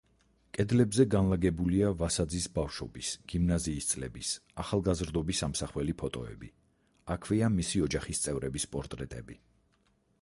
კედლებზე განლაგებულია ვასაძის ბავშვობის, გიმნაზიის წლების, ახალგაზრდობის ამსახველი ფოტოები, აქვეა მისი ოჯახის წევრების პორტრეტები.